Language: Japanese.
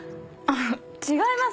違います。